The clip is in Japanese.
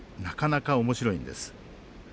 なかなかおもしろいんです。